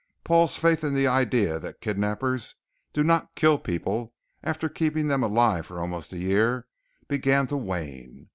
Paul's faith in the idea that kidnapers do not kill people after keeping them alive for almost a year began to wane.